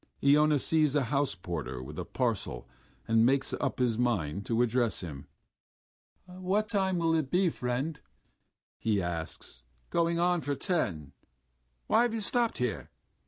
Iona sees a house porter with a parcel and makes up his mind to address him. "What time will it be, friend?" he asks. "Going on for ten.... Why have you stopped here?